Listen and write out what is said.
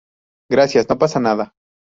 gracias. no pasa nada.